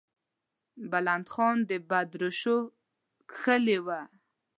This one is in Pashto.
بلند خان د بدرشو کښلې وه.